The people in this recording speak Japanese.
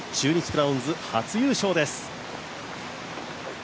クラウンズ、初優勝です。